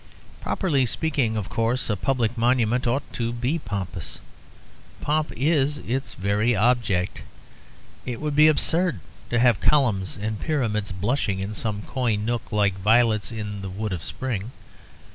Properly speaking, of course, a public monument ought to be pompous. Pomp is its very object; it would be absurd to have columns and pyramids blushing in some coy nook like violets in the woods of spring.